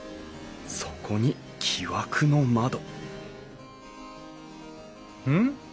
そこに木枠の窓うん？